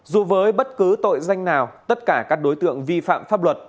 dù với bất cứ tội danh nào tất cả các đối tượng vi phạm pháp luật